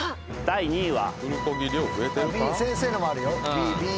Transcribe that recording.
［第２位は］